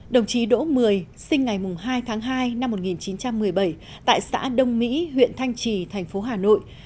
đồng chí đỗ mười sinh ngày hai tháng hai năm một nghìn chín trăm một mươi bảy tại xã đông mỹ huyện thanh trì thành phố hà nội